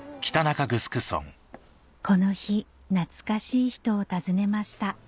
この日懐かしい人を訪ねました